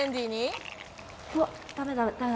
うわっダメダメ！